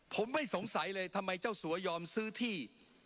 ผมไม่สงสัยเลยทำไมเจ้าสัวยอมซื้อที่